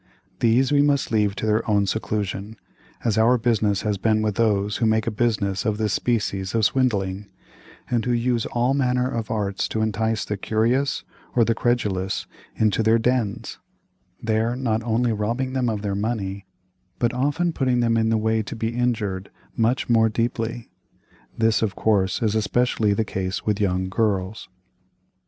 These we must leave to their own seclusion; as our business has been with those who make a business of this species of swindling, and who use all manner of arts to entice the curious, or the credulous, into their dens, there not only robbing them of their money, but often putting them in the way to be injured much more deeply. This, of course, is especially the case with young girls.